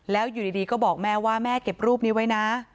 แล้วอยู่ดีก็บอกแม่ว่าแม่เก็บรูปนี้ไว้นะ